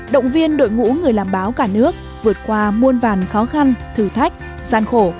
động viên đội ngũ người làm báo cả nước vượt qua muôn vàn khó khăn thử thách gian khổ